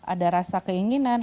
ada rasa keinginan